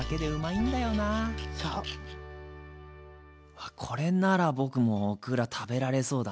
あこれなら僕もオクラ食べられそうだな。